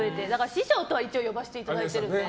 師匠とは一応呼ばさせていただいているので。